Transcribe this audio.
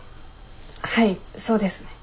はいそうですね。